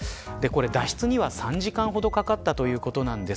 脱出には３時間ほどかかったということです。